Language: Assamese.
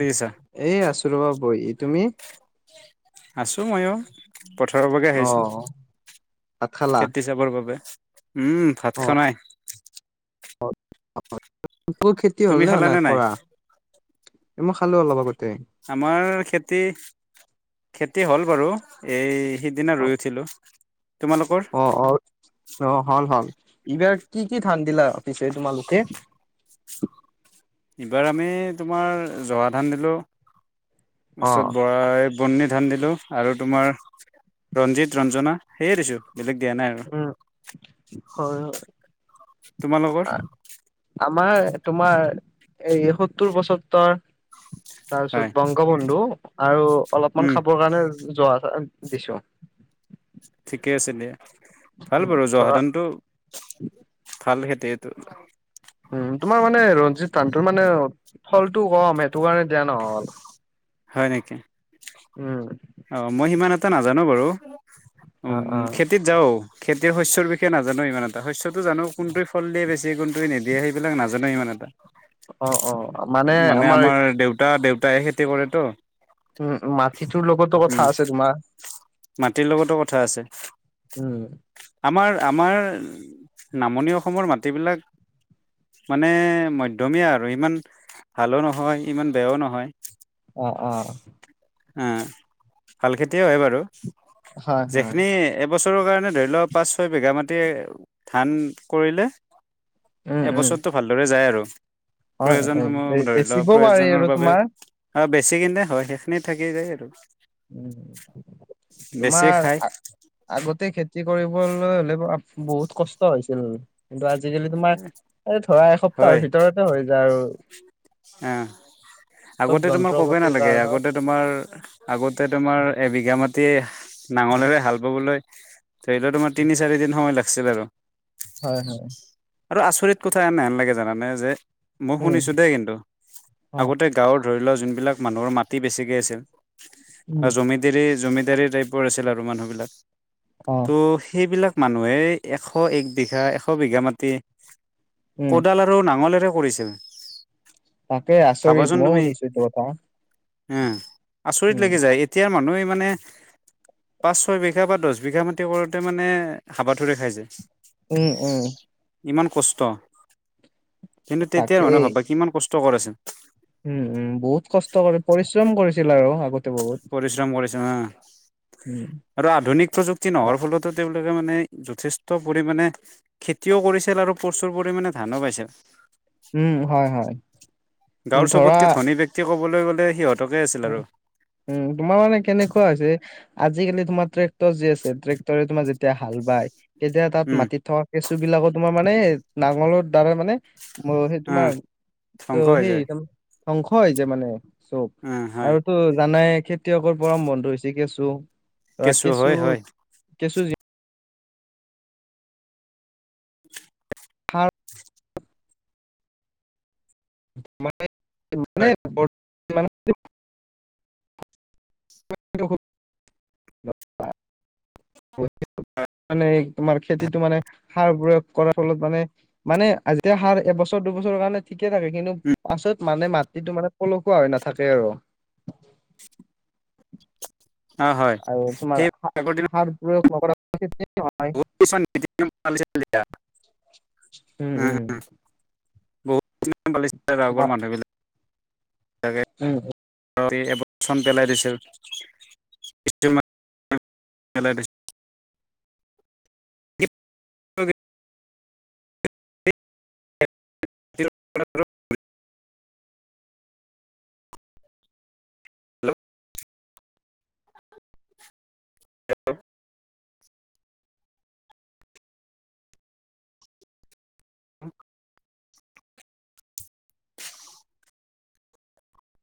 কৰিছা? এ আছোঁ ৰবা বহি তুমি, আছো ময়ো পথাৰৰ পৰাগে অ আহিছো ভাত খালা খেতিছ, যাবৰ বাবে উম অ ভাত খোৱা নাই। তোৰ খেতি তুমি হলনে হল নাই খালানে কৰা মই খালো অলপ আগতে। আমাৰ খেতি খেতি হ'ল বাৰু এই, সিদিনা অ ৰুই উঠিলো তোমালোকৰ। অ অ অ হল হল এইবাৰ কি কি ধান দিলা পিছে তোমালোকে। এইবাৰ আমি তোমাৰ জহা ধান দিলোঁ অ তাৰপিছত বৰাই বৰ্নি ধান দিলোঁ আৰু তোমাৰ ৰঞ্জিত ৰঞ্জনা সেয়ে দিছোঁ বেলেগ দিয়া নাই আৰু উম হয় তোমালোকৰ? হয়, আমাৰ তোমাৰ এই সত্তৰ বসত্তৰ। তাৰপিছত হয় বংগ বন্ধু আৰু অলপমান উম খাবৰ কাৰণে যোৱা দিছো। ঠিকে আছে দিয়া ভাল উম, বাৰু জহা ধৰা ধানটো, ভাল খেতি এইটো, উম তোমাৰ মানে ৰঞ্জিত ধানটোৰ মানে ফলটো কম সেইটো কাৰণে দিয়া নহ'ল। হয় নেকি। উম, অ মই সিমান এটা নাজানো বাৰু অ খেতিত যাওঁ, খেতিৰ শস্যৰ বিষয়ে নাজানো ইমান এটা শস্যটো জানো কোনটোৱ ফল দিয়ে বেছি কোনটোৱে নিদিয়ে সেইবিলাক নাজানো ইমান এটা, অ অ আমাৰ মানে আমাৰ দেউতা দেউতাই খেতি কৰেতো। উম মাটিটোৰ লগতো উম কথা আছে তোমাৰ। মাটিৰ লগতো কথা আছে। উম, আমাৰ আমাৰ নামনি অসমৰ মাটিবিলাক, মানে মধ্যমীয়া আৰু ইমান ভালো নহয় ইমান বেয়াও নহয়। অ অ, হা ভাল খেতিয়ে হয় বাৰু হয় হয় যিখিনি এবছৰৰ কাৰণে ধৰি লওঁক পাঁচ ছয় বিঘা মাটি ধান কৰিলে। উম উম এবছৰটো ভালদৰে যায় আৰু হয় হয়, বে প্ৰয়োজনসমূহ ধৰি লোৱা বেচিব পাৰি আৰু প্ৰয়োজনৰ বাবে তোমাৰ অ বেছি কিনে হয় সেইখিনি থাকি যায় আৰু উম বেছি তোমাৰ খাই আগতে খেতি কৰিবলৈ হ'লে বহুত কষ্ট হৈছিল। কিন্তু আজি আজিকালি তোমাৰ এই ধৰা এসপ্তাহৰ ভিতৰতে হৈ যায় আৰু। এ, চব আগতে তোমাৰ যন্ত্ৰ ক'বই পাতিৰ নালাগে কাৰণত আগতে তোমাৰ আগতে তোমাৰ এবিঘা মাটি টি নাঙলেৰে হাল বাবলৈ ধৰি লোৱা তোমাৰ তিনি চাৰিদিন সময় লাগিছিল আৰু। হয় হয়। আৰু আচৰিত কথা এনেহেন লাগে জানানে যে মই উম শুনিছোঁ দেই কিন্তু অ আগতে গাঁৱৰ ধৰি লোৱা যোনবিলাক মানুহৰ মাটি বেছিকে আছিল বা উম জমি দাৰী জমিদাৰী টাইপৰ আছিল আৰু মানুহ বিলাক অ তো' সেইবিলাক মানুহে এশ এক বিঘা এশ বিঘা মাটি উম কদালত আৰু নাঙলেৰে কৰিছিল। তাকে আচৰিত চাবাচোন মইও তুমি, শুনিছো এইটো কথা এ আচৰিত উম লাগি যায়। এতিয়াৰ মানুহে মানে পাঁচ ছয় বিঘা বা দছ বিঘা মাটি কৰোঁতে মানে হাবাথুৰি খাই যায়। উম উম। ইমান কষ্ট কিন্তু তেতিয়াৰ মানুহে তাকেই ভাবা কিমান কষ্ট কৰিছে। উম উম বহুত কষ্ট কৰি পৰিশ্ৰম কৰিছিল আৰু আগতে বহুত। পৰিশ্ৰম কৰিছে অহ। উম। আৰু আধুনিক প্ৰযুক্তি অ নোহোৱাৰ ফলতো তেওঁলোকে মানে যথেষ্ট পৰিমাণে খেতিও কৰিছিল আৰু প্ৰচুৰ পৰিমাণে ধানো পাইছিল। উম হয় হয় উম ধৰা তেতিয়া ক'বলৈ গ'লে সিহঁতকে আছিল উম, আৰু। উম তোমাৰ মানে কেনেকুৱা হৈছে আজিকালি তোমাৰ ট্ৰেক্টৰ যি আছে। ট্ৰেক্টৰে তোমাৰ যেতিয়া হাল বায়। তেতিয়া তাত উম, মাটিত থকা কেঁচু বিলাকো তোমাৰ মানে নাঙলৰ দ্বাৰা মানে ম সেই উম, তোমাৰ ধ্বংস ত' হৈ যায় সেই ধ্বংস হয় যায় মানে চব। উম হয়। আৰুতো জানাই খেতিয়কৰ পৰম বন্ধু হৈছে কেঁচু, ধৰা হয়, কেঁচু হয়, কেঁচু সাৰ [unintelligible] মানে মানে হয়, ব [unintelligible] মানে তোমাৰ খেতিটো মানে সাৰ প্ৰয়োগ কৰাৰ ফলত মানে মানে আজি সাৰ এবছৰ দুবছৰৰ কাৰণে ঠিকে থাকে কিন্তু উম, পাছত মানে মাটিটো মানে পলসুৱা হৈ নাথাকে আৰু। অ', হয় আৰু তোমাৰ সেই আগৰ দিনত সাৰ প্ৰয়োগ নকৰাকে খেতি নহয়। বহুত উম উম উম উম বহুত। [unintelligible] তোমাৰ [unintelligible] তাকে। উম এব চন পেলাই দিছিল, কিছুমানেলাই দিছিল। [unintelligible] [unintelligible] [unintelligible] হেল্ল'।